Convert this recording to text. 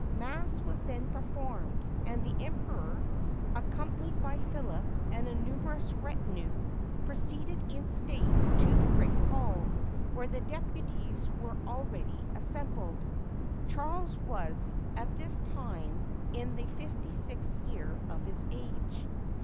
Mass was then performed; and the Emperor, accom panied by Philip and a numerous retinue, proceeded in state to the great hall, where the deputies were already assembled. Charles was, at this time, in the fifty sixth year of his age.